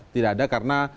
tidak ada karena